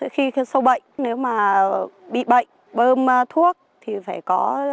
khi sâu bệnh nếu mà bị bệnh bơm thuốc thì phải có sự quản lý của hội nông dân